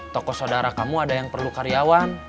toko sodara kamu ada yang perlu karyawan